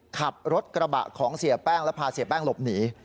ขับรถกระบะของเสียแป้งและพาเสียแป้งหลบหนี